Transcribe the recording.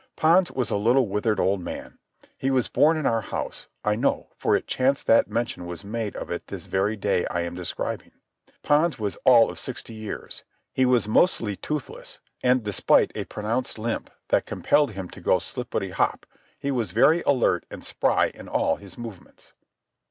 Pons was a little withered old man. He was born in our house—I know, for it chanced that mention was made of it this very day I am describing. Pons was all of sixty years. He was mostly toothless, and, despite a pronounced limp that compelled him to go slippity hop, he was very alert and spry in all his movements.